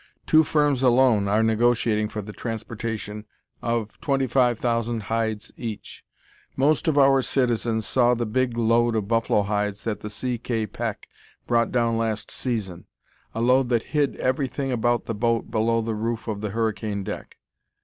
Two firms alone are negotiating for the transportation of twenty five thousand hides each. Most of our citizens saw the big load of buffalo hides that the C. K. Peck brought down last season, a load that hid everything about the boat below the roof of the hurricane deck.